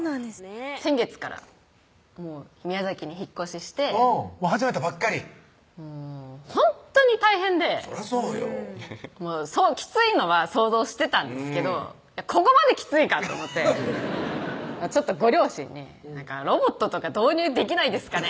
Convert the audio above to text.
先月から宮崎に引っ越しして始めたばっかりもうほんとに大変でそらそうよきついのは想像してたんですけどここまできついかと思ってちょっとご両親に「ロボットとか導入できないですかね」